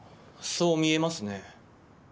そう見えますね。